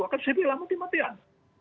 akan saya bela mati matian